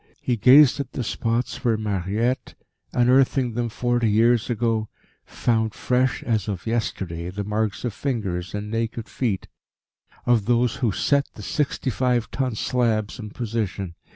He gazed at the spots where Mariette, unearthing them forty years ago, found fresh as of yesterday the marks of fingers and naked feet of those who set the sixty five ton slabs in position.